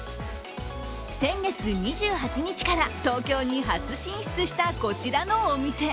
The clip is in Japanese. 先月２８日から東京に初進出したこちらのお店。